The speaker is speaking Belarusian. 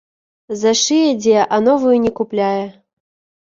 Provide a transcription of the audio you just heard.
Зашые дзе, а новую не купляе.